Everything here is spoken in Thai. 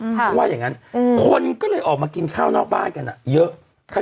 ค่ะว่าอย่างงั้นอืมคนก็เลยออกมากินข้าวนอกบ้านกันอ่ะเยอะ